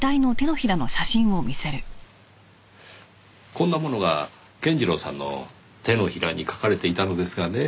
こんなものが健次郎さんの手のひらに書かれていたのですがね。